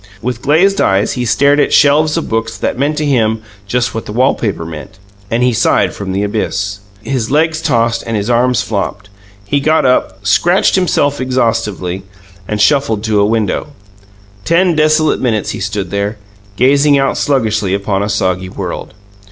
With glazed eyes he stared at shelves of books that meant to him just what the wallpaper meant, and he sighed from the abyss. His legs tossed and his arms flopped; he got up, scratched himself exhaustively, and shuffled to a window. Ten desolate minutes he stood there, gazing out sluggishly upon a soggy world.